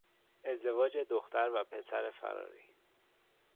ازدواج دختر و پسر فراری